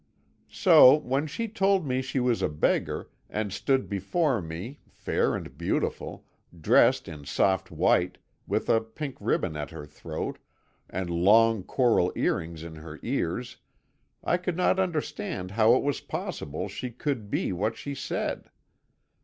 "So when she told me she was a beggar, and stood before me, fair and beautiful, dressed in soft white, with a pink ribbon at her throat, and long coral earrings in her ears, I could not understand how it was possible she could be what she said.